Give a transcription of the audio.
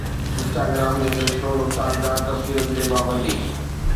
Instagram جو فيصلو نقصانڪار تصويرن تي پابندي